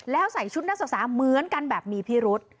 แล้วใส่ชุดนักศึกษาเหมือนกันแบบมีพิรุษ